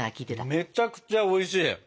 めっちゃくちゃおいしい。